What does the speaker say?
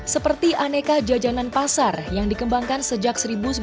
seperti aneka jajanan pasar yang dikembangkan sejak seribu sembilan ratus sembilan puluh